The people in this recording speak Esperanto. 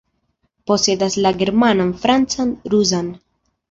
Posedas la germanan, francan, rusan.